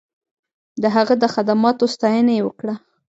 د هغه د خدماتو ستاینه یې وکړه.